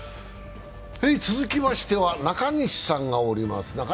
続きましては中西さんがおります。